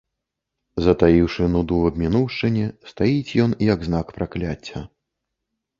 Затаіўшы нуду аб мінуўшчыне, стаіць ён, як знак пракляцця.